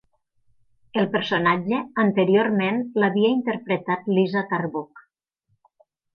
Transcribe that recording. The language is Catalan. El personatge anteriorment l'havia interpretat Liza Tarbuck.